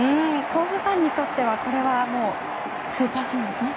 甲府ファンにとってはこれはスーパーシーンですね。